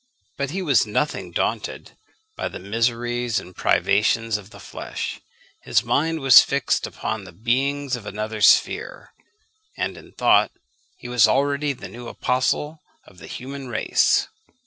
But he was nothing daunted by the miseries and privations of the flesh; his mind was fixed upon the beings of another sphere, and in thought he was already the new apostle of the human race.